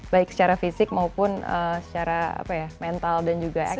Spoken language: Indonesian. baik secara fisik maupun secara mental dan juga